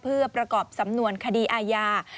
เพื่อประกอบสำนวนคดีอาญา